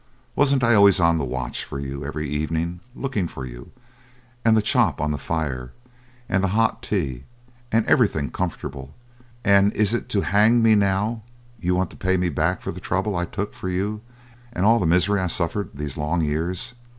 Wasn't I always on the watch for you every evening looking for you, and the chop on the fire, and the hot tea, and everything comfortable? And is it to hang me now you want to pay me back for the trouble I took for you and all the misery I suffered these long years?